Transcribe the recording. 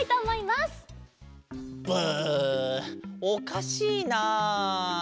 おかしいな？